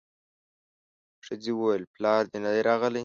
ښځې وويل پلار دې نه دی راغلی.